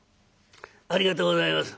ありがとうございます。